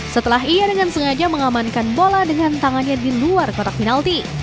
setelah ia dengan sengaja mengamankan bola dengan tangannya di luar kotak penalti